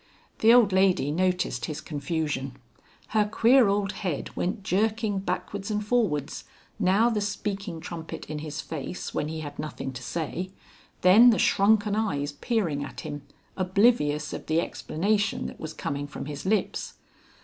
The old lady noticed his confusion. Her queer old head went jerking backwards and forwards, now the speaking trumpet in his face when he had nothing to say, then the shrunken eyes peering at him, oblivious of the explanation that was coming from his lips.